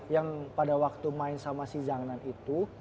yang pada waktu main sama si zangnan itu